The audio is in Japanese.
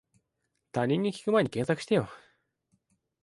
他人に聞くまえに検索してよ